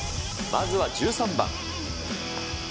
まずは１３番。